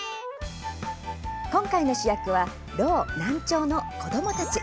今回の主役はろう、難聴の子どもたち。